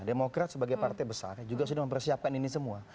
demokrat sebagai partai besar juga sudah mempersiapkan ini semua